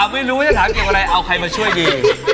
ไม่รู้ว่าจะถามเก็บอะไรเอาใครมาช่วยดี